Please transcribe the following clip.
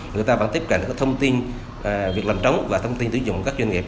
người ta vẫn tiếp cận thông tin việc làm chống và thông tin tử dụng các doanh nghiệp